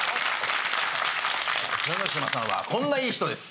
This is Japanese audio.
豊ノ島さんはこんないい人です。